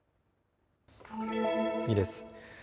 次です。